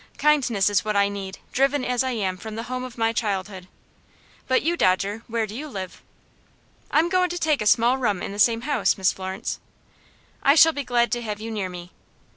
Kindness is what I need, driven as I am from the home of my childhood. But you, Dodger, where do you live?" "I'm goin' to take a small room in the same house, Miss Florence." "I shall be glad to have you near me."